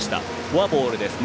フォアボールです。